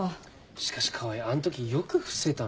しかし川合あん時よく伏せたな。